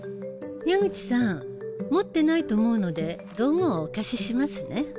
矢口さん持ってないと思うので道具をお貸ししますね。